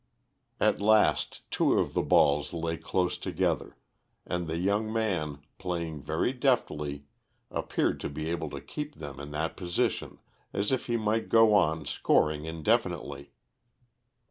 At last two of the balls lay close together, and the young man, playing very deftly, appeared to be able to keep them in that position as if he might go on scoring indefinitely.